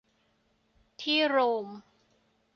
ที่โรม